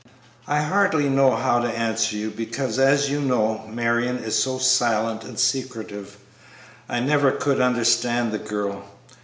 "I hardly know how to answer you, because, as you know, Marion is so silent and secretive. I never could understand the girl.